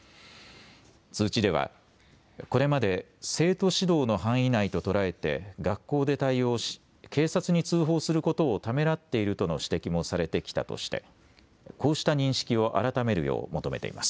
通知ではこれまで生徒指導の範囲内と捉えて学校で対応し警察に通報することをためらっているとの指摘もされてきたとしてこうした認識を改めるよう求めています。